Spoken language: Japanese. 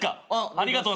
ありがとう。